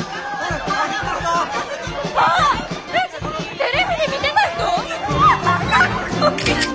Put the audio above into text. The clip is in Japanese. テレビで見てた人！？